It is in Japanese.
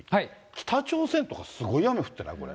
北朝鮮とかすごい雨降っていないこれ。